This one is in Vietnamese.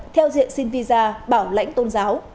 theo diện xin visa bảo lãnh tôn giáo